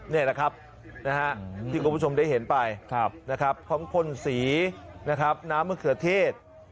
นี่แหละครับที่คุณผู้ชมได้เห็นไปนะครับของพ่นสีนะครับน้ำมะเขือเทศ